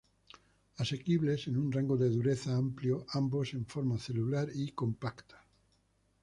Asequibles en un rango de dureza amplio, ambos en forma celular y compacta.